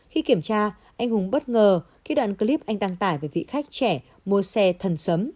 khi kiểm tra anh hùng bất ngờ khi đoạn clip anh đăng tải về vị khách trẻ mua xe thần sấm